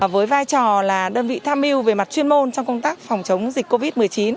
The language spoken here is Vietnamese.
với vai trò là đơn vị tham mưu về mặt chuyên môn trong công tác phòng chống dịch covid một mươi chín